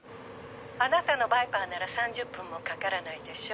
アナタのバイパーなら３０分もかからないでしょ？